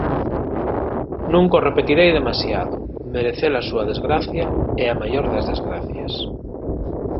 Nunca o repetirei demasiado: merece-la súa desgracia é a maior das desgracias.